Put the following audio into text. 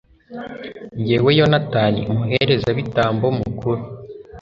jyewe yonatani, umuherezabitambo mukuru